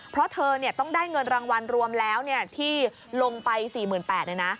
เพราะเธอต้องได้เงินรางวัลรวมแล้วที่ลงไป๔๘๐๐บาท